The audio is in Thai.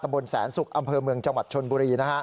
บนแสนศุกร์อำเภอเมืองจังหวัดชนบุรี